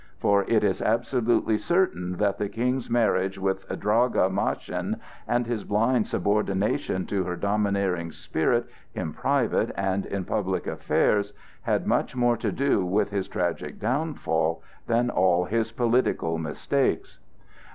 For it is absolutely certain that the King's marriage with Draga Maschin, and his blind subordination to her domineering spirit in private and public affairs, had much more to do with his tragic downfall than all his political mistakes.